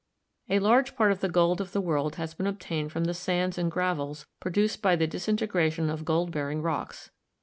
A large part of the gold of the world has been obtained from the sands and gravels pro duced by the disintegration of gold bearing rocks.